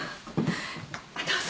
どうぞ。